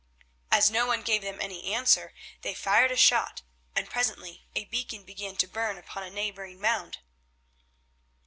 As no one gave them any answer, they fired a shot, and presently a beacon began to burn upon a neighbouring mound.